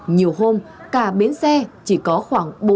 nhiều hôm cả bến xe chỉ có khoảng